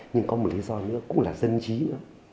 nhưng có một lý do nữa cũng là dân trí nữa